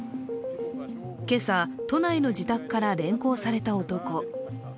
今朝、都内の自宅から連行された男。